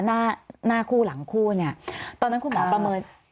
หน้าหน้าคู่หลังคู่เนี่ยตอนนั้นคุณหมอประเมิน